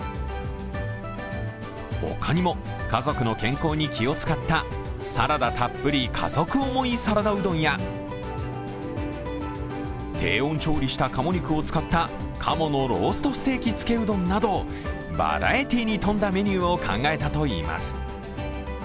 他にも、家族の健康に気を遣ったサラダたっぷり家族想いサラダうどんや低温調理した鴨肉を使った鴨のローストステーキつけうどんなど、バラエティーに富んだメニューを考えたといいます。